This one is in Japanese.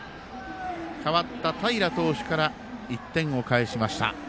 代わった平投手から１点を返しました。